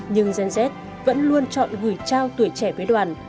nhưng gen z vẫn luôn chọn gửi trao tuổi trẻ với đoàn